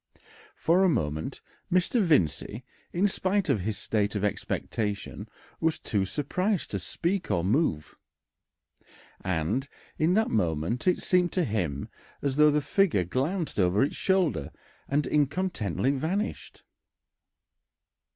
For a moment Mr. Vincey, in spite of his state of expectation, was too surprised to speak or move, and in that moment it seemed to him as though the figure glanced over its shoulder and incontinently vanished.